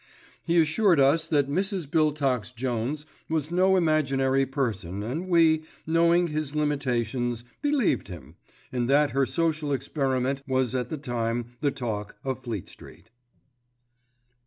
He assured us that Mrs. Biltox Jones was no imaginary person and we, knowing his limitations, believed him, and that her social experiment was at the time the talk of Fleet Street.